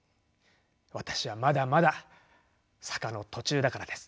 私はまだまだ坂の途中だからです。